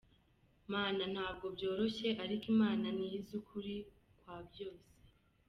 Man ntabwo byoroshye ariko Imana niyo izi ukuri kwa byose.